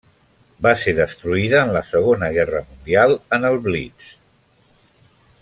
Va ser destruïda en la Segona Guerra Mundial, en el Blitz.